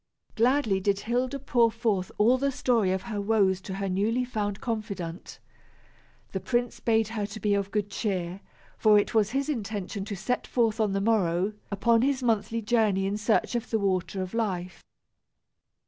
Gladly did Hilda pour forth all the story of her woes to her newly found confidant. The prince bade her to be of good cheer, for it was his intention to set forth on the morrow upon his monthly journey in search of the water of life.